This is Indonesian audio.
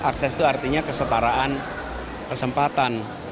akses itu artinya kesetaraan kesempatan